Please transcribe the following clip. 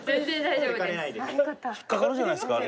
引っ掛かるじゃないですか。